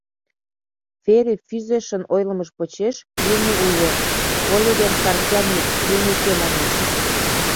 Фери Фӱзешын ойлымыж почеш, юмо уло; Оливер Хартяни «юмо уке» манеш.